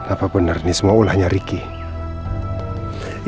apa benar ini semua ulahnya ricky